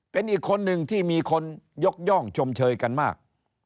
เป็นอีกคนหนึ่งที่มีคนยกย่องชมเชยกันมาก